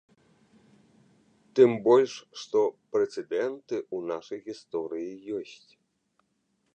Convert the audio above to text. Тым больш, што прэцэдэнты ў нашай гісторыі ёсць.